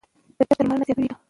د درد درملنه زیاته شوې ده.